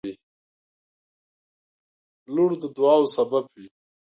• لور د دعاوو سبب وي.